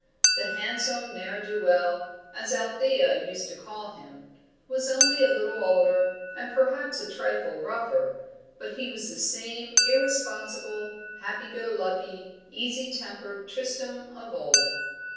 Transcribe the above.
The handsome ne'er do well, as Althea used to call him, was only a little older, and perhaps a trifle rougher, but he was the same irresponsible, happy go lucky, easy tempered Tristram of old.